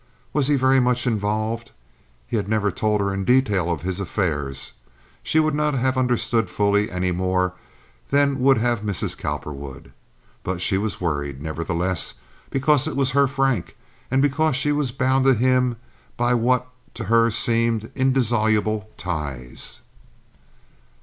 Was he very much involved? He had never told her in detail of his affairs. She would not have understood fully any more than would have Mrs. Cowperwood. But she was worried, nevertheless, because it was her Frank, and because she was bound to him by what to her seemed indissoluble ties.